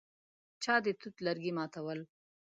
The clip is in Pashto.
چا د توت لرګي ماتول.